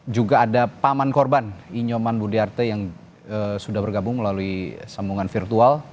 juga ada paman korban inyoman budiarte yang sudah bergabung melalui sambungan virtual